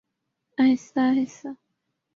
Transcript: آہستہ آہستہ۔